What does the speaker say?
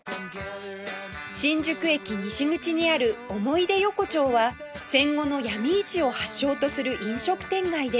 新宿駅西口にある思い出横丁は戦後の闇市を発祥とする飲食店街です